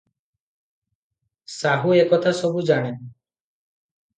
ସାହୁ ଏକଥା ସବୁ ଜାଣେ ।